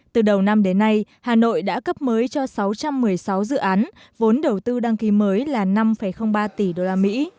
từ đầu năm đến nay hà nội đã cấp mới cho sáu trăm một mươi sáu dự án vốn đầu tư đăng ký mới là năm ba tỷ usd